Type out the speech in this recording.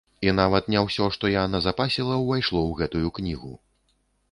І нават не ўсё, што я назапасіла, увайшло ў гэтую кнігу!